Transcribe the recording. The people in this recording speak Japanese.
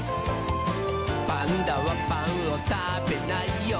「パンダはパンをたべないよ」